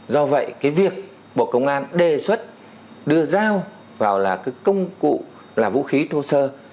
do vậy cái việc bộ công an đề xuất đưa dao vào là cái công cụ là vũ khí thô sơ